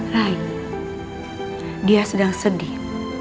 rai dia sedang sedih